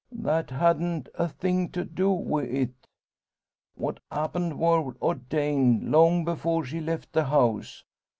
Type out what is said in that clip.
"That hadn't a thing to do wi' it. What happened wor ordained, long afore she left the house.